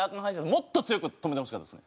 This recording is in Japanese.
もっと強く止めてほしかったですね。